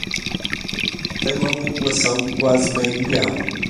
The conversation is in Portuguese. Tem uma população de quase meio milhão.